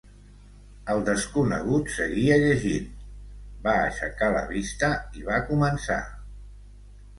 "El desconegut seguia llegint; va aixecar la vista i va començar."